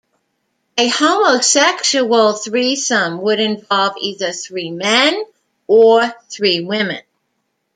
A homosexual threesome would involve either three men or three women.